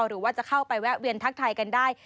หรือว่าจะเข้าไปแวะเวียนทักทายกันได้